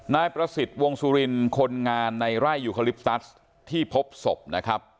นายประสิทธิ์วงสุรินคนงานในไร่ยูคาลิปตัสที่พบศพนะครับ